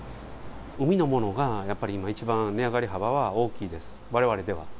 海のものが、やっぱり今一番値上がり幅は大きいです、われわれでは。